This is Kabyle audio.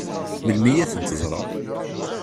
Melmi ad tent-ẓṛeɣ?